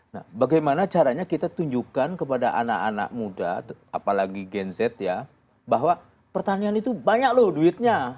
nah bagaimana caranya kita tunjukkan kepada anak anak muda apalagi gen z ya bahwa pertanian itu banyak loh duitnya